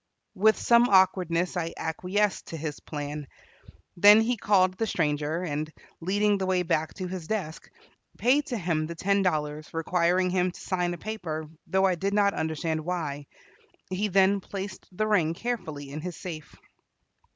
With some awkwardness I acquiesced to his plan. Then he called the stranger, and, leading the way back to his desk, paid to him the ten dollars, requiring him to sign a paper, though I did not understand why. He then placed the ring carefully in his safe.